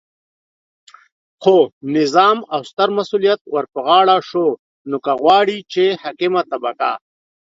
خو نظام او ستر مسؤلیت ورپه غاړه شو، نو که غواړئ چې حاکمه طبقه